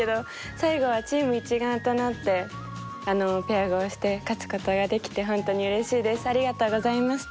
最後はチーム一丸となってペア碁をして勝つことができてありがとうございました。